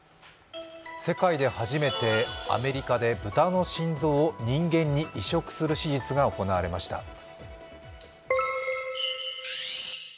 世界で初めてアメリカで豚の心臓を人間に移植する手術が行われました。